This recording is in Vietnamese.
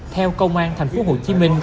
theo công an tp hcm